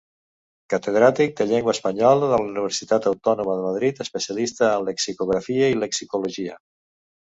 Catedràtic de Llengua Espanyola de la Universitat Autònoma de Madrid, especialista en Lexicografia i Lexicologia.